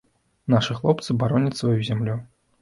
Нашы хлопцы бароняць сваю зямлю.